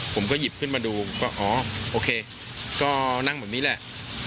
ผมก็หยิบขึ้นมาดูก็อ๋อโอเคก็นั่งแบบนี้แหละ